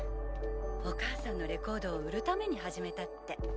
お母さんのレコードを売るために始めたって。